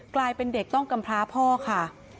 กลายเป็นเด็กต้องกำพร้าพ่อค่ะ